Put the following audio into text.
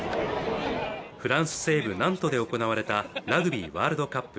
フランス西部ナントで行われたラグビーワールドカップ